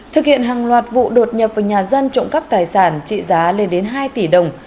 thực hiện hàng loạt vụ đột nhập vào nhà dân trộm cắp tài sản trị giá lên đến hai tỷ đồng